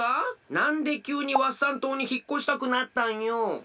なんできゅうにワッサン島にひっこしたくなったんよ？